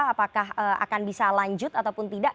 apakah akan bisa lanjut ataupun tidak